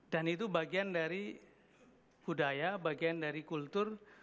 dan itu bagian dari budaya bagian dari kultur